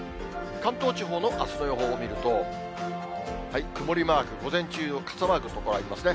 関東地方のあすの予報を見ると、曇りマーク、午前中、傘マークの所ありますね。